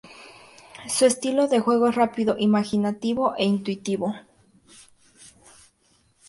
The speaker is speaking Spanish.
Su estilo de juego es rápido, imaginativo e intuitivo.